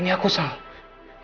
ini aku salah